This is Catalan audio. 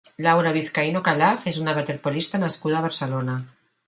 Laura Vizcaíno Calaf és una waterpolista nascuda a Barcelona.